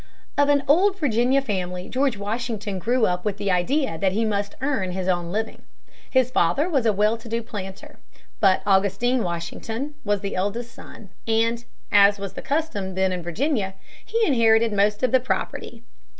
Of an old Virginia family, George Washington grew up with the idea that he must earn his own living. His father was a well to do planter. But Augustine Washington was the eldest son, and, as was the custom then in Virginia, he inherited most of the property.